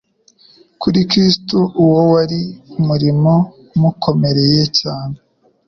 Kuri Kristo, uwo wari umurimo umukomereye cyane